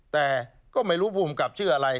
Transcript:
แต่ก็ไม่รู้ภูมิกับชื่ออะไร